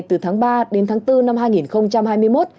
từ tháng ba đến tháng bốn năm hai nghìn hai mươi một